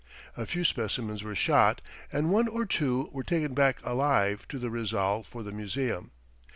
A few specimens were shot, and one or two were taken back alive to the Rizal for the museum.